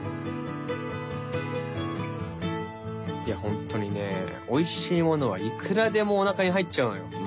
いやホントにねおいしいものはいくらでもお腹に入っちゃうのよ。